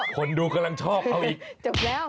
คนดูกำลังชอบเอาอีกจบแล้ว